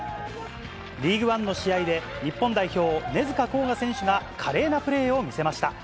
リーグワンの試合で、日本代表、根塚洸雅選手が華麗なプレーを見せました。